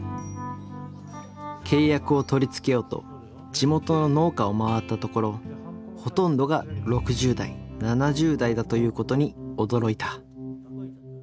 契約を取りつけようと地元の農家を回ったところほとんどが６０代７０代だということに驚いた。